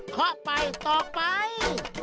เขาไปต่อไป